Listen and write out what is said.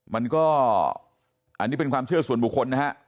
มันก็อันนี้เป็นความเชื่อส่วนบุคคลนะฮะ